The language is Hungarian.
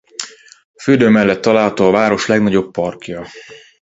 A fürdő mellett található a város legnagyobb parkja.